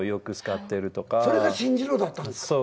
それが「信じろ」だったんですか。